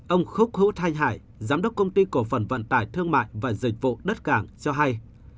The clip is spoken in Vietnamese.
ông khúc hữu thanh hải giám đốc công ty cổ phần vận tải thương mại và dịch vụ đất cảng cho hay